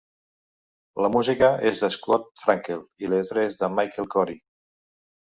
La música és de Scott Frankel i la lletra és de Michael Korie.